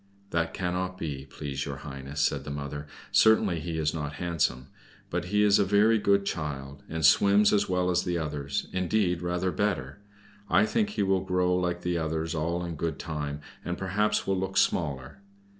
"That cannot be, please your Highness," said the mother. "Certainly he is not handsome, but he is a very good child, and swims as well as the others, indeed, rather better. I think he will grow like the others all in good time, and perhaps will look smaller.